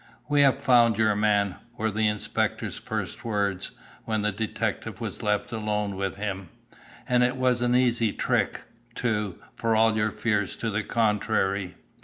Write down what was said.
"We have found your man," were the inspector's first words, when the detective was left alone with him. "And it was an easy trick, too, for all your fears to the contrary.